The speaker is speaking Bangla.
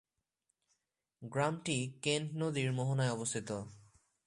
গ্রামটি কেন্ট নদীর মোহনায় অবস্থিত।